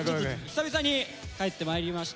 久々に帰ってまいりました。